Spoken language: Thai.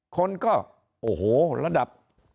คนก็โอ้โหระดับ